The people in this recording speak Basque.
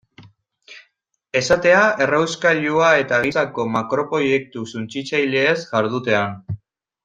Esatea errauskailua eta gisako makroproiektu suntsitzaileez jardutean.